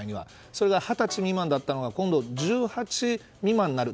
それが、二十歳未満だったのが今度１８未満になる。